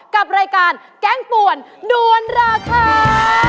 กับรายการแกงป่วนด้วนราคา